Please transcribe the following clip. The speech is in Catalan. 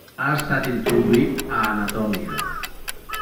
Ha estat introduït a Anatòlia.